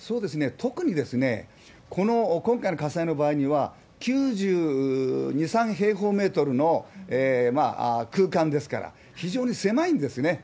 特にこの今回の火災の場合には、９２、３平方メートルの空間ですから、非常に狭いんですね。